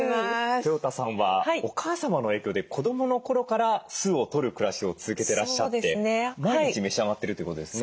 とよたさんはお母様の影響で子どもの頃から酢をとる暮らしを続けてらっしゃって毎日召し上がってるということですね。